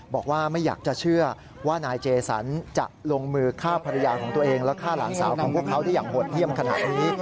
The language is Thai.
บอกว่าไม่อยากจะเชื่อว่านายเจสันจะลงมือฆ่าภรรยาของตัวเองและฆ่าหลานสาวของพวกเขาได้อย่างโหดเยี่ยมขนาดนี้